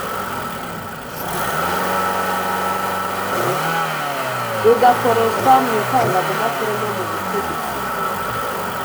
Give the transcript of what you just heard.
rugakoreshwa mu itangazamakuru no mu butegetsi